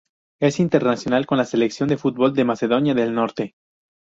Es internacional con la selección de fútbol de Macedonia del Norte.